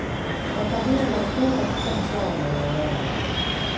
Makabila Makuu katika Mkoa Wa manayara